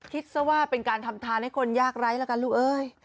คิดซะว่าเป็นการทำทานให้คนยากไร้แล้วกันลูกเอ้ย